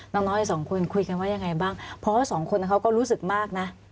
น้องน้อยสองคนคุยกันว่ายังไงบ้างเพราะว่าสองคนเขาก็รู้สึกมากนะ